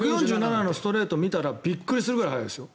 １４７ｋｍのストレート見たらびっくりするぐらい速いですよ。